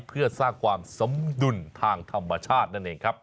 เพื่อสร้างความสมดุลทางธรรมชาตินั่นเองครับ